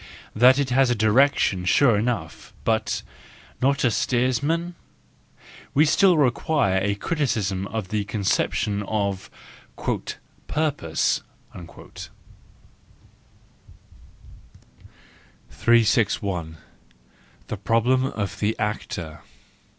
That it has a direction, sure enough, but—not a steersman ? We still require a criticism of the conception of " purpose." 361. The Problem of the Actor